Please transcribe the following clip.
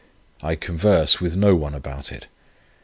I converse with no one about it.